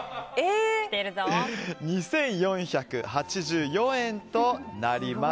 ２４８４円となります。